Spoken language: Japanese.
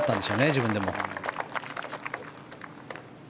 自分でも。